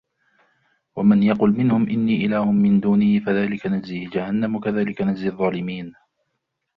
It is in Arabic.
وَمَنْ يَقُلْ مِنْهُمْ إِنِّي إِلَهٌ مِنْ دُونِهِ فَذَلِكَ نَجْزِيهِ جَهَنَّمَ كَذَلِكَ نَجْزِي الظَّالِمِينَ